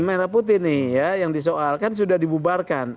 merah putih nih ya yang disoalkan sudah dibubarkan